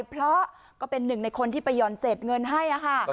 เพราะเป็นหนึ่งในคนที่ไปย่อนเสร็จเงินให้